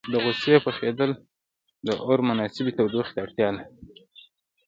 د غوښې پخېدل د اور مناسبې تودوخې ته اړتیا لري.